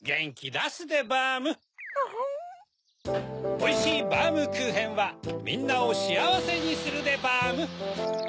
おいしいバームクーヘンはみんなをしあわせにするでバーム。